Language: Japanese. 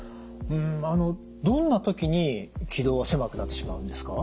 あのどんな時に気道は狭くなってしまうんですか？